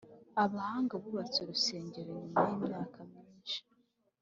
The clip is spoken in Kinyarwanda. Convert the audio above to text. abahanga bubatse urusengero Nyuma y imyaka myinshi